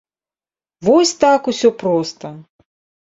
Вось так усё проста!